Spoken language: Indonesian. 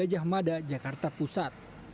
gajah mada jakarta pusat